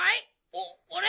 おおれ！？